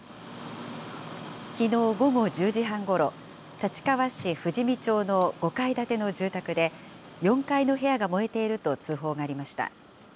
きのう午後１０時半ごろ、立川市富士見町の５階建ての住宅で、４階の部屋が燃えていると通報がありました。